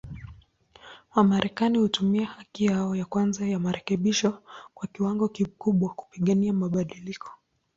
Wamarekani hutumia haki yao ya kwanza ya marekebisho kwa kiwango kikubwa, kupigania mabadiliko.